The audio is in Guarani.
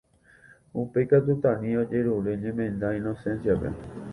Upéi katu Tani ojerure ñemenda Inocencia-pe.